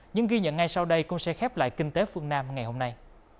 những ghi nhận ngay sau đây cũng sẽ khép lại kinh tế phương nam ngày hôm nay